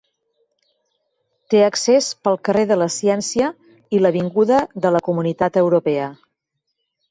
Té accés pel carrer de la Ciència i l'avinguda de la Comunitat Europea.